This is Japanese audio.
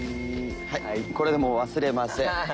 はいこれでもう忘れません。